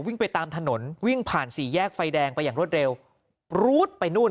วิ่งไปตามถนนวิ่งผ่านสีแยกไฟแดงไปอย่างรถเร็วไปนู่น